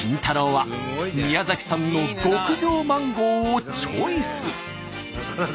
は宮崎産の極上マンゴーをチョイス。